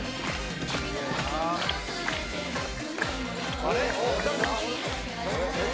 あれ？